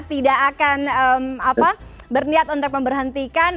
tidak akan berniat untuk memberhentikan